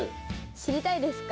知りたいですか？